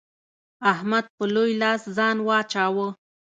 احمد په لوی لاس ځان واچاوو.